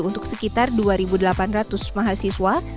untuk sekitar dua delapan ratus mahasiswa